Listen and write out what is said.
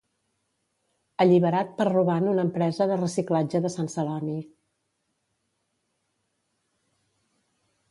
Alliberat per robar en una empresa de reciclatge de Sant Celoni.